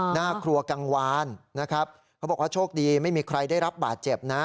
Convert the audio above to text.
หน้าครัวกังวานนะครับเขาบอกว่าโชคดีไม่มีใครได้รับบาดเจ็บนะ